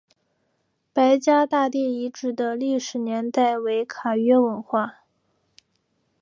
白家大地遗址的历史年代为卡约文化。